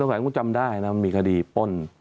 แล้วก็คุณสมัยคุณจำได้นะวันนั้นมีการดีปุ่น